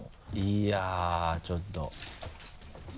いやちょっと。